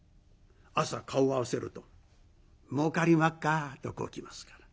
朝顔を合わせると「もうかりまっか」とこう来ますから。